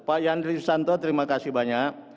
pak yandri susanto terima kasih banyak